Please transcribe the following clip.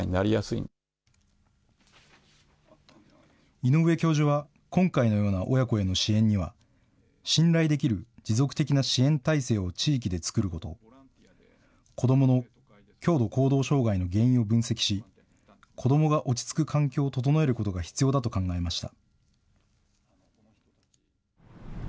井上教授は、今回のような親子への支援には、信頼できる持続的な支援体制を地域で作ること、子どもの強度行動障害の原因を分析し、子どもが落ち着く環境を整えることが必要だと考えました。